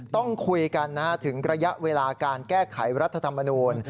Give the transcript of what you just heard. ต้องคุยกันถึงระยะเวลาการแก้ไขรัฐธรรมนูล